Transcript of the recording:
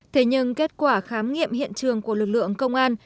thế nhưng kết quả khám nghiệm hiện trường của lực lượng công an